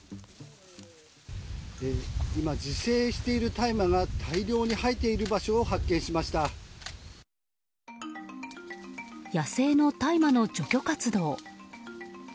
今、自生している大麻が大量に生えている場所を野生の大麻の除去活動。